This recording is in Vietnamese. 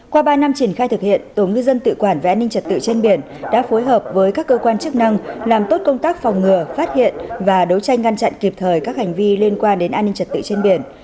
qua ba năm triển khai thực hiện tổ ngư dân tự quản về an ninh trật tự trên biển đã phối hợp với các cơ quan chức năng làm tốt công tác phòng ngừa phát hiện và đấu tranh ngăn chặn kịp thời các hành vi liên quan đến an ninh trật tự trên biển